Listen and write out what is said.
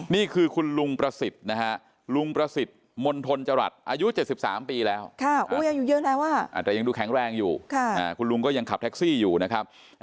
นี่คือคุณลุงประศิษฐ์มณฑนจรรย์อายุ๗๓ปีแล้วอาจจะยังดูแข็งแรงอยู่คุณลุงก็ยังขับแท็กซี่อยู่นะครับ